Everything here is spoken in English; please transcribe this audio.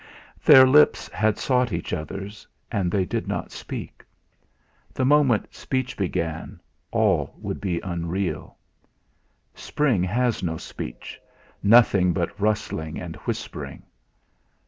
Their lips had sought each other's, and they did not speak. The moment speech began all would be unreal! Spring has no speech, nothing but rustling and whispering.